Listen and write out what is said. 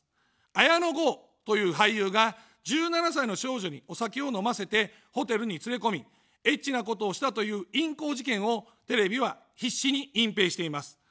綾野剛という俳優が１７歳の少女にお酒を飲ませて、ホテルに連れ込み、エッチなことをしたという淫行事件をテレビは必死に隠蔽しています。